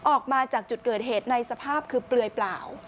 ออกมาจากจุดเกิดเหตุในสภาพคือเปลือยเปล่า